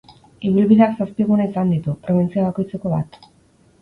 Ibilbideak zazpi gune izan ditu, probintzia bakoitzeko bat.